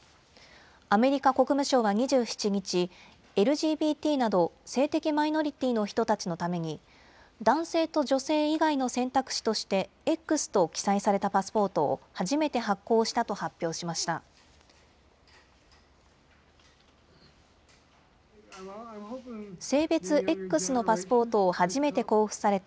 アメリカ国務省は２７日、ＬＧＢＴなど性的マイノリティーの人たちのために、男性と女性以外の選択肢として、Ｘと記載されたパスポートを初めて発行したと発表しました。